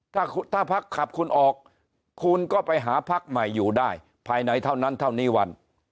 ถ้าพักขับคุณออกคุณก็ไปหาพักใหม่อยู่ได้ภายในเท่านั้นเท่านี้วัน